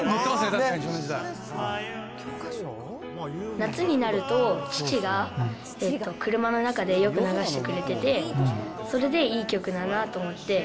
夏になると、父が車の中でよく流してくれてて、それでいい曲だなと思って。